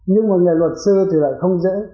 nhưng mà nghề luật sư thì lại không dễ